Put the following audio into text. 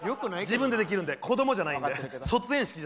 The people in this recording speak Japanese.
自分でできるんで子どもじゃないんで。